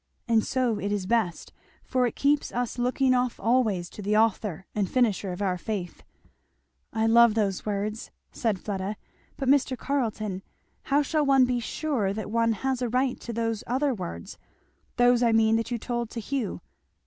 And so it is best, for it keeps us looking off always to the Author and Finisher of our faith." "I love those words," said Fleda. "But Mr. Carleton, how shall one be sure that one has a right to those other words those I mean that you told to Hugh?